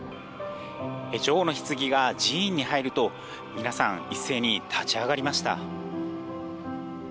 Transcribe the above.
女王のひつぎが寺院に入ると皆さん、一斉に立ち上がりました。